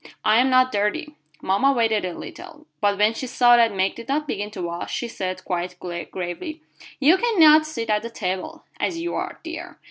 "I am not dirty." Mama waited a little, but when she saw that Meg did not begin to wash, she said, quite gravely: "You cannot sit at the table, as you are, dear.